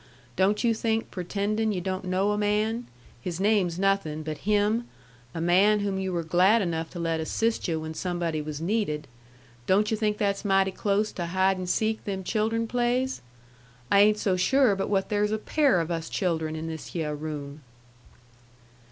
Don't you think pretendin' yu' don't know a man, his name's nothin', but him, a man whom you were glad enough to let assist yu' when somebody was needed, don't you think that's mighty close to hide and seek them children plays? I ain't so sure but what there's a pair of us children in this hyeh room."